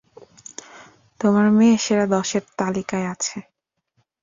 তোমার মেয়ে সেরা দশের তালিকায় আছে।